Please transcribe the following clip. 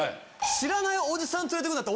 知らないおじさん連れて行くんだったら。